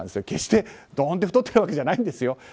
決してどんと太ってるわけじゃないんですよ。